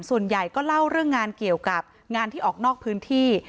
ส่วนใหญ่ก็เล่าเรื่องงานเกี่ยวกับงานที่ออกนอกพื้นที่